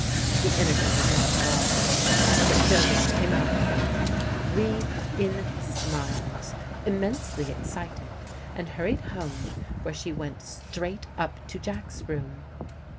The interview was not a long one, but Dodo came out from it, wreathed in smiles, immensely excited, and hurried home, where she went straight up to Jack's room.